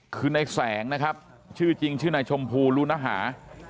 คือในแสงนะครับชื่อจริงชื่อนายชมพูลูนหา